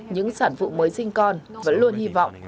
những sản phụ mới sinh con vẫn luôn hy vọng